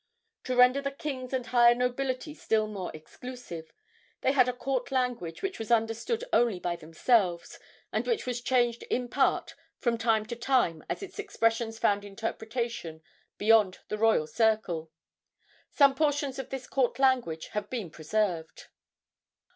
To render the kings and higher nobility still more exclusive, they had a court language which was understood only by themselves, and which was changed in part from time to time as its expressions found interpretation beyond the royal circle. Some portions of this court language have been preserved.